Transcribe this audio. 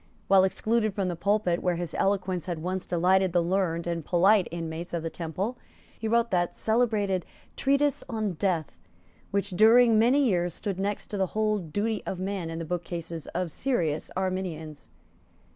While excluded from the pulpit where his eloquence had once delighted the learned and polite inmates of the Temple, he wrote that celebrated Treatise on Death which, during many years, stood next to the Whole Duty of Man in the bookcases of serious Arminians.